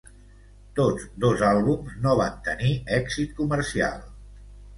Tots dos àlbums no van tenir èxit comercial.